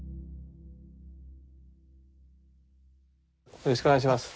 よろしくお願いします。